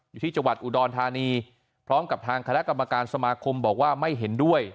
อยู่ที่จังหวัดอุดรธานีพร้อมกับทางคณะกรรมการสมาคมบอกว่าไม่เห็นด้วย